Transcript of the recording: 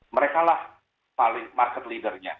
merekalah market leadernya